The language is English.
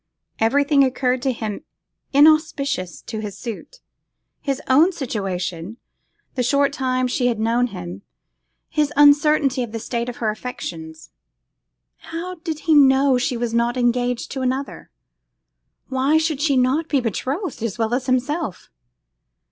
Everything occurred to him inauspicious to his suit; his own situation, the short time she had known him, his uncertainty of the state of her affections. How did he know she was not engaged to another? why should she not be betrothed as well as himself?